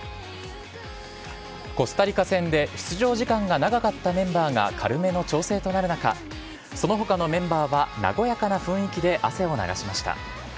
コスタリカ戦で出場時間が長かったメンバーが軽めの調整となる中、そのほかのメンバーは和やかな雰囲気で汗を流しました。